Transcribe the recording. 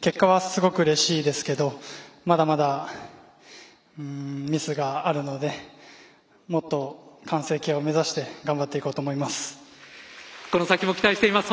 結果はすごくうれしいですけどまだまだミスがあるのでもっと完成形を目指してこの先も期待しています。